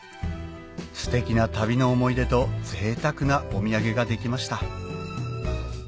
ステキな旅の思い出と贅沢なお土産ができました